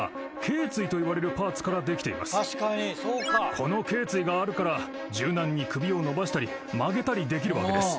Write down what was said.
この頸椎があるから柔軟に首を伸ばしたり曲げたりできるわけです